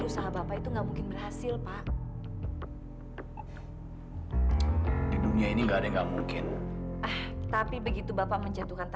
sampai jumpa di video selanjutnya